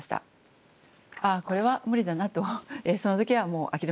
ああこれは無理だなとその時はもう諦めました。